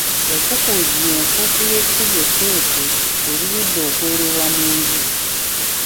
Ekkukuuzi y'enfuufu y'essubi etteete erirudde okwerebwa mu nju .